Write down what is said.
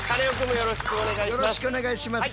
よろしくお願いします。